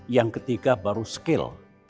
yang ketiga baru skill